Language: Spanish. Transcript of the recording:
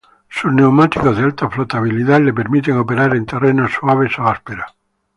Sus neumáticos de alta flotabilidad le permiten operar en terrenos suaves o ásperos.